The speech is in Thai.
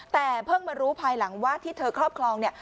แต่เพิ่งมารู้ภายหลังว่าที่เธอครอบครองเนี่ย